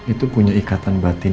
itu punya ikatan batin